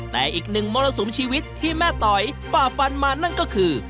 แต่อีกหนึ่งมรสุมชีวิตที่แม่ต๋อยฝ่าฟันมานั่นก็คือ